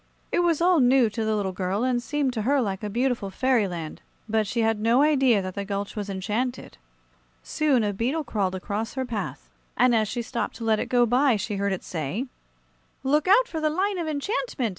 It was all new to the little girl, and seemed to her like a beautiful fairyland; but she had no idea that the gulch was enchanted. Soon a beetle crawled across her path, and as she stopped to let it go by, she heard it say: "Look out for the line of enchantment!